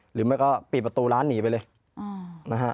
หรือไม่ก็ปิดประตูร้านหนีไปเลยนะฮะ